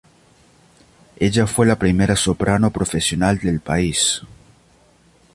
Ella fue la primera soprano profesional del país.